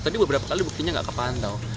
tadi beberapa kali buktinya gak kepantau